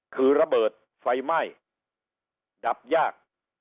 คือระเบิดไฟไหม้ดับยาก